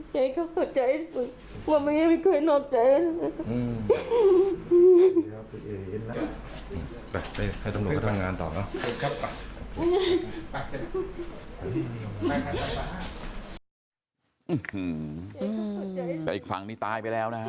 แต่อีกฝั่งนี้ตายไปแล้วนะฮะ